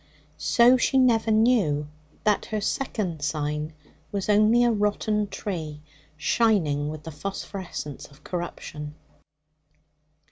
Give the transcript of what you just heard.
So she never knew that her second sign was only a rotten tree, shining with the phosphorescence of corruption.